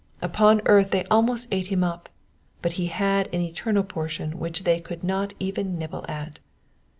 Upon earth they almost ate him up, but he had an eternal portion which they could not even nibble at.